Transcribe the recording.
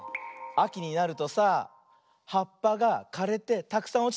あきになるとさはっぱがかれてたくさんおちてくるよね。